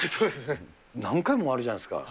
何回も回るじゃないですか。